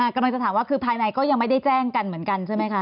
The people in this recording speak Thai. กำลังจะถามว่าคือภายในก็ยังไม่ได้แจ้งกันเหมือนกันใช่ไหมคะ